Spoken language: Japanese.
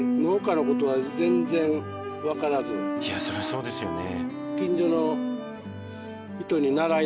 いやそりゃそうですよね。